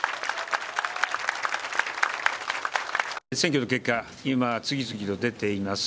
選挙の結果、今、次々と出ています。